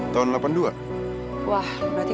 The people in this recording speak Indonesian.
gue plug lu sebentar aja